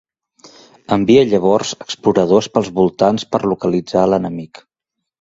Envia llavors exploradors pels voltants per localitzar a l'enemic.